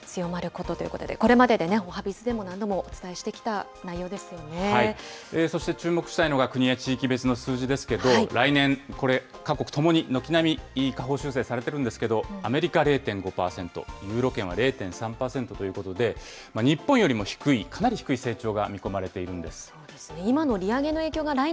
引き締めの影響、強まることということで、これまででおはＢｉｚでも何度もお伝えそして、注目したいのが、国や地域別の数字ですけど、来年、これ、各国ともに軒並み下方修正されてるんですけど、アメリカ０．５％、ユーロ圏は０．３％ということで、日本よりも低い、かなり低い成長が見込まれているんです。